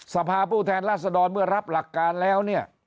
สภาพธิบัตรผู้แทนราษฎรเมื่อรับหลักการแล้ว